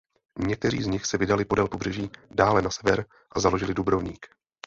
Někteří z nich se vydali podél pobřeží dále na sever a založili Dubrovník.